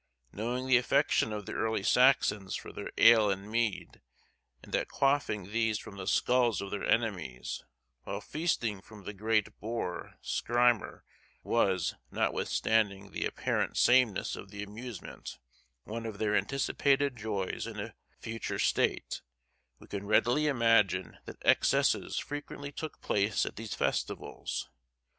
Knowing the affection of the early Saxons for their ale and mead, and that quaffing these from the skulls of their enemies, while feasting from the great boar Scrymer, was—notwithstanding the apparent sameness of the amusement—one of their anticipated joys in a future state, we can readily imagine that excesses frequently took place at these festivals.